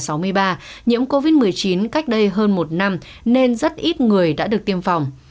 nhiễm covid một mươi chín cách đây hơn một năm nên rất ít người đã được tiêm phòng